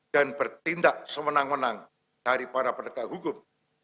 dan bertindak semenang menang dari para pendekat hukum